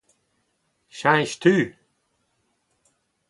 Cheñch tu.